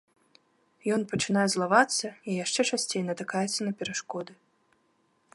Ён пачынае злавацца і яшчэ часцей натыкаецца на перашкоды.